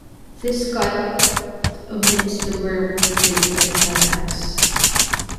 This cut omits the "werewolf break" near the climax.